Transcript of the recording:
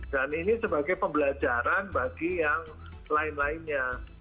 dan ini sebagai pembelajaran bagi yang lain lainnya